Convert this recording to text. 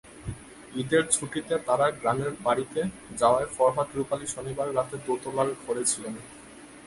ঈদের ছুটিতে তাঁরা গ্রামের বাড়িতে যাওয়ায় ফরহাদ-রূপালী শনিবার রাতে দোতলার ঘরে ছিলেন।